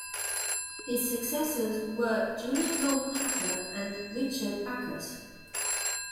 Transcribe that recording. His successors were Juliet Law Packer and Richard Backus.